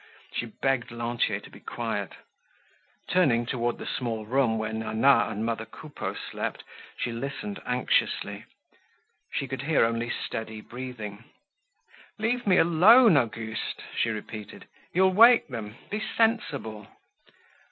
She begged Lantier to be quiet. Turning toward the small room where Nana and mother Coupeau slept, she listened anxiously. She could hear only steady breathing. "Leave me alone, Auguste," she repeated. "You'll wake them. Be sensible."